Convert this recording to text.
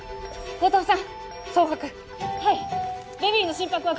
後藤さん！